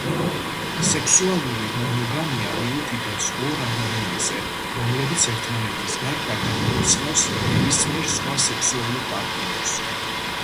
სექსუალური მონოგამია მიუთითებს ორ ადამიანზე, რომლებიც ერთმანეთის გარდა გამორიცხავს ნებისმიერ სხვა სექსუალურ პარტნიორს.